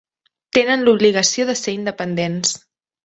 Tenen l'obligació de ser independents.